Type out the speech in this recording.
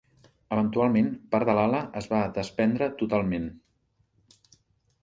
Eventualment, part de l'ala es va desprendre totalment.